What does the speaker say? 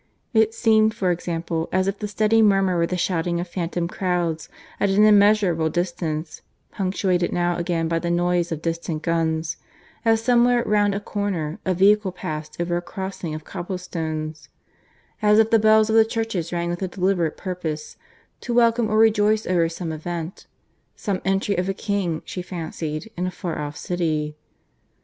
It seemed, for example, as if the steady murmur were the shouting of phantom crowds at an immeasurable distance, punctuated now again by the noise of distant guns, as, somewhere round a corner a vehicle passed over a crossing of cobble stones; as if the bells of the churches rang with a deliberate purpose, to welcome or rejoice over some event ... some entry of a king, she fancied, in a far off city.